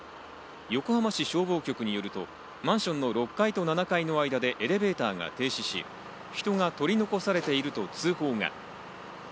横浜市消防局によると、マンションの６階と７階の間でエレベーターが停止し、人が取り残されていると通報が。